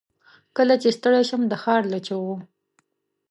کله چې ستړی شم، دښارله چیغو